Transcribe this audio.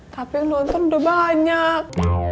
tapi yang nonton udah banyak